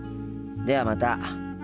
ではまた。